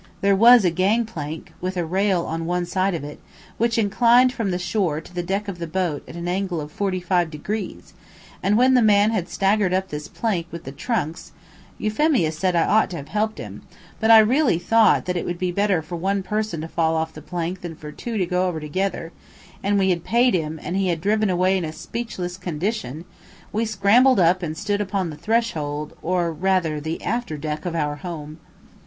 There was a gang plank, with a rail on one side of it, which inclined from the shore to the deck of the boat at an angle of forty five degrees, and when the man had staggered up this plank with the trunks (Euphemia said I ought to have helped him, but I really thought that it would be better for one person to fall off the plank than for two to go over together), and we had paid him, and he had driven away in a speechless condition, we scrambled up and stood upon the threshold, or, rather, the after deck of our home.